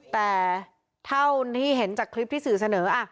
แต่เท่าที่เห็นจากคลิปที่สื่อเสนอ